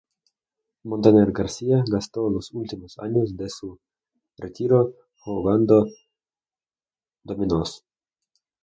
Montaner García gastó los últimos años de su retiro jugando dominos.